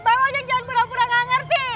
bang ojek jangan pura pura gak ngerti